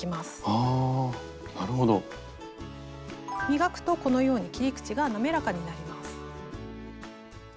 磨くとこのように切り口が滑らかになります。